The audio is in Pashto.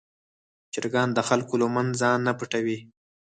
چرګان د خلکو له منځه ځان نه پټوي.